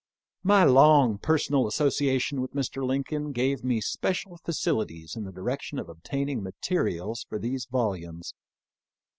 My long personal association with Mr. Lincoln gave me special facilities in the direction of obtain ing materials for these volumes.